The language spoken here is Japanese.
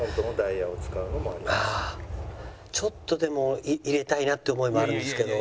ちょっとでも入れたいなっていう思いもあるんですけど。